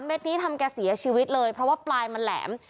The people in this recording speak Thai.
เด็ดนี้ทำแกเสียชีวิตเลยเพราะว่าปลายมันแหลม